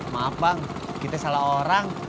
maaf bang kita salah orang